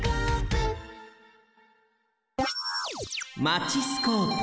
マチスコープ。